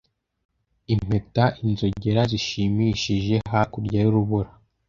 impeta, inzogera zishimishije, hakurya y'urubura: